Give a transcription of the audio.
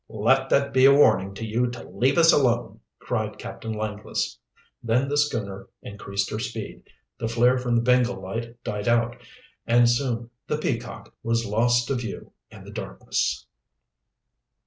"Let that be a warning to you to leave us alone!" cried Captain Langless. Then the schooner increased her speed, the flare from the Bengal light died out, and soon the Peacock was lost to view in the darkness.